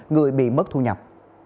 người bị mất thu nhập